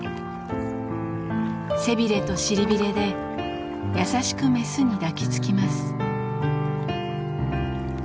背びれと尻びれで優しくメスに抱きつきます。